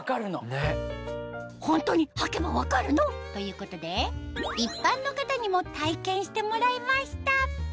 ホントに履けば分かるの？ということで一般の方にも体験してもらいました